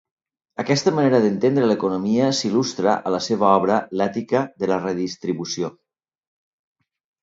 Aquesta manera d'entendre l'economia s'il·lustra a la seva obra "L'ètica de la redistribució".